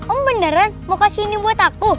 om beneran mau kasih ini buat aku